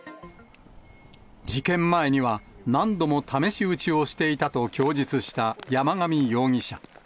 事件前には、何度も試し撃ちをしていたと供述した山上容疑者。